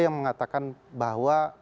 yang mengatakan bahwa